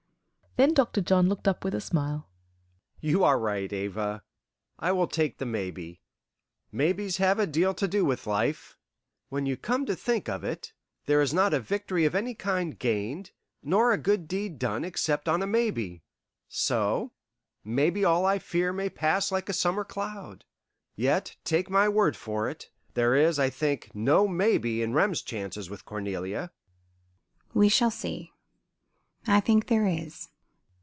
Then Doctor John looked up with a smile. "You are right, Ava," he said cheerfully. "I will take the maybe. Maybes have a deal to do with life. When you come to think of it, there is not a victory of any kind gained, nor a good deed done except on a maybe. So maybe all I fear may pass like a summer cloud. Yet, take my word for it, there is, I think, no maybe in Rem's chances with Cornelia." "We shall see. I think there is."